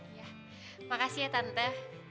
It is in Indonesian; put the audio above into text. iya makasih ya tante